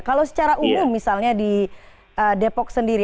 kalau secara umum misalnya di depok sendiri